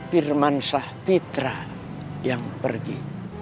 firman syahpitra yang pergi